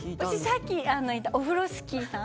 さっき言ったオフロスキーさん。